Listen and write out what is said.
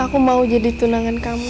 aku mau jadi tunangan kamu